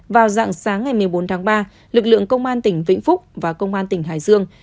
vào dạng sáng ngày một mươi bốn tháng ba lực lượng công an tỉnh vĩnh phúc và công an tỉnh hải dương